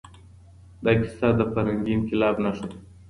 دا کیسه د فرهنګي انقلاب نښه ده.